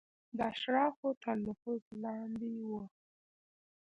د اشرافو تر نفوذ لاندې وه.